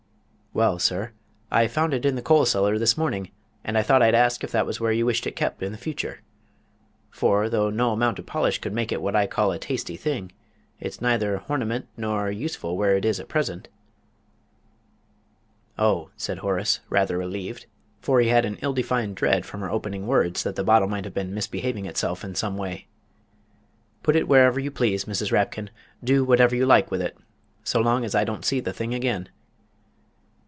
"Why, sir, I found it in the coal cellar this morning, and I thought I'd ask if that was where you wished it kep' in future. For, though no amount o' polish could make it what I call a tasty thing, it's neither horniment nor yet useful where it is at present." "Oh," said Horace, rather relieved, for he had an ill defined dread from her opening words that the bottle might have been misbehaving itself in some way. "Put it wherever you please, Mrs. Rapkin; do whatever you like with it so long as I don't see the thing again!"